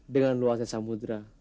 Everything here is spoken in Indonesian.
dengan luasnya samudera